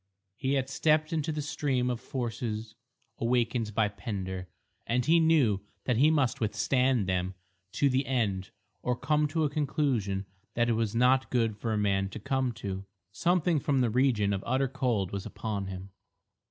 He had stepped into the stream of forces awakened by Pender and he knew that he must withstand them to the end or come to a conclusion that it was not good for a man to come to. Something from the region of utter cold was upon him.